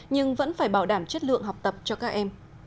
nhưng vẫn phải bảo đảm chất lượng học tập cho các em